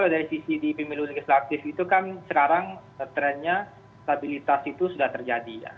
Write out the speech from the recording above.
jadi di pemiliu legislatif itu kan sekarang trennya stabilitas itu sudah terjadi ya